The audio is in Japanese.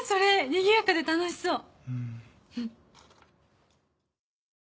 にぎやかで楽しそう。